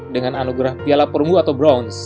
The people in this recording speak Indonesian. dengan anugerah piala perunggu atau bronze